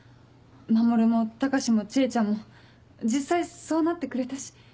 守も高志も知恵ちゃんも実際そうなってくれたし。